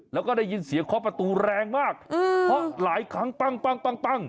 แล้วก็ได้ยินเสียงคอประตูแรงมากอืมเพราะหลายครั้งปั้งปั้งปั้งปั้ง